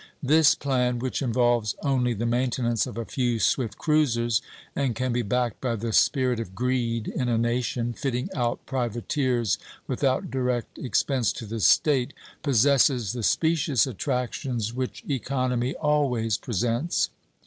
This plan, which involves only the maintenance of a few swift cruisers and can be backed by the spirit of greed in a nation, fitting out privateers without direct expense to the State, possesses the specious attractions which economy always presents.